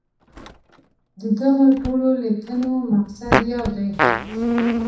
د دغو ټولو لیکنو مقصد یو دی.